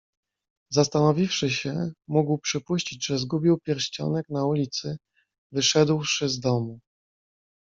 "Zastanowiwszy się, mógł przypuścić, że zgubił pierścionek na ulicy, wyszedłszy z domu."